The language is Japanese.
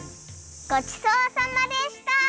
ごちそうさまでした！